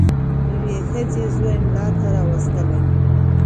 یوې ښځي زوی مُلا ته راوستلی